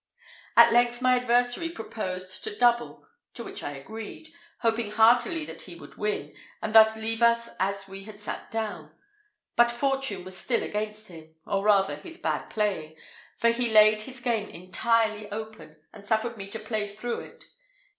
At length my adversary proposed to double, to which I agreed, hoping heartily that he would win, and thus leave us as we had sat down; but fortune was still against him, or rather his bad playing, for he laid his game entirely open, and suffered me to play through it.